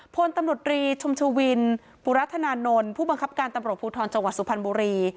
พลตำรวจรีชมชวินปุรัฐนานนท์ผู้บังคับการตำรวจภูทรจังหวัดสุพรรณบุรี